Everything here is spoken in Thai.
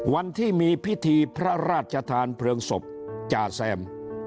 วันที่มีพิธีพระราชทานเพลิงศพจ่าแซม